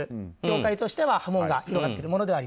業界としては波紋が広がっています。